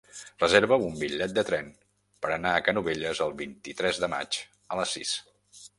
Reserva'm un bitllet de tren per anar a Canovelles el vint-i-tres de maig a les sis.